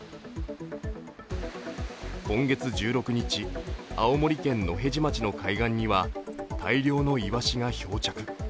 今月１６日、青森県野辺地町の海岸には大量のイワシが漂着。